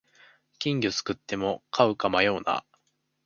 金魚すくっても飼うか迷うな